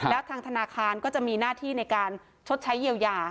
แล้วทางธนาคารก็จะมีหน้าที่ในการชดใช้เยียวยา